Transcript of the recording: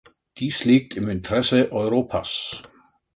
Dies liegt im Interesse Europas.